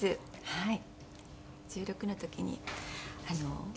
はい。